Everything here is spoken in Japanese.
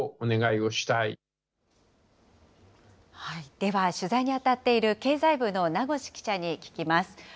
では、取材に当たっている経済部の名越記者に聞きます。